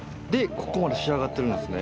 ここまで仕上がってるんですね